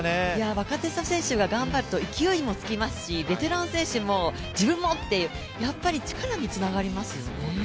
若手の選手が活躍すると勢いがつながりますしベテラン選手も、自分もっていうやっぱり力につながりますよね。